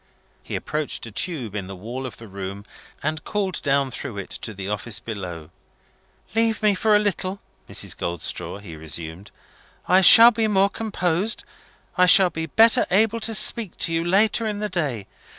He approached a tube in the wall of the room, and called down through it to the office below. "Leave me for a little, Mrs. Goldstraw," he resumed; "I shall be more composed, I shall be better able to speak to you later in the day.